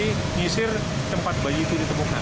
menyisir tempat bayi itu ditemukan